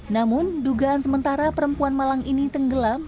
namun dugaan sementara perempuan malang ini tenggelam